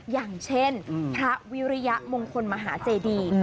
อย่างเช่นพระวิริยมงคลมหาเจดี